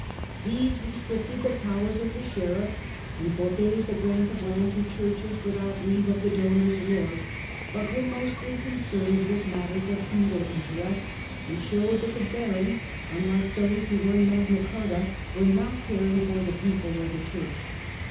These restricted the powers of the sheriffs, and forbade the grant of land to churches without leave of the donor's lord, but were mostly concerned with matters of feudal interest, and showed that the barons, unlike those who won Magna Carta, were not caring for the people or the church.